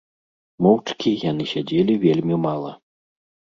Моўчкі яны сядзелі вельмі мала.